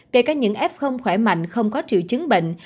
kể cả những f khỏe mạnh không có triệu chứng bệnh